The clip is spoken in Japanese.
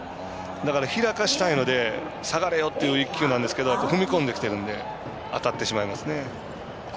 だから、開かせたいので下がれよっていう１球なんですけど踏み込んできてるので当たってしまいますね。